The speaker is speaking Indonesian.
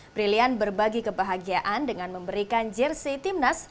brilian berbagi kebahagiaan dengan memberikan jersey timnas